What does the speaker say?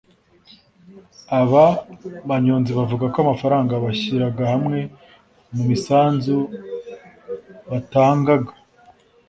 Aba banyonzi bavuga ko amafaranga bashyiraga hamwe mu misanzu batangaga